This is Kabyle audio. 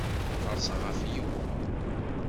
Qerrseɣ ɣef yiwen.